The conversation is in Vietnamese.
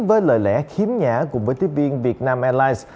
với lời lẽ khiếm nhã cùng với tiếp viên vietnam airlines